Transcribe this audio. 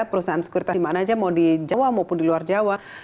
perusahaan sekuritas di mana saja mau di jawa maupun di luar jawa